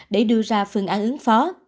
để đưa ra phương án ứng phó